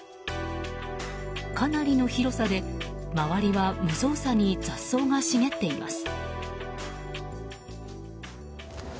かなりの広さで、周りは無造作に雑草が茂っています。